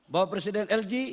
bapak presiden lg